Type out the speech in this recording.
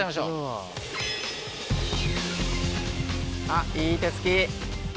あっいい手つき。